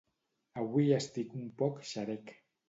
Avui estic un poc xerec.